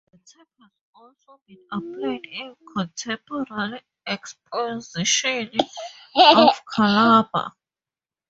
The term has also been applied in contemporary expositions of the Cabbala.